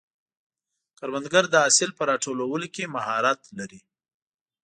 کروندګر د حاصل په راټولولو کې مهارت لري